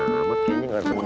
ngembeng ngembeng mana sih ini